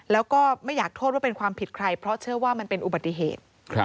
แล้วก็ไม่อยากโทษว่าเป็นความผิดใครเพราะเชื่อว่ามันเป็นอุบัติเหตุ